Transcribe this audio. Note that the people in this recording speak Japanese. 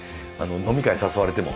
飲み会誘われても。